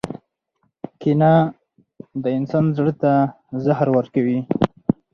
• کینه د انسان زړۀ ته زهر ورکوي.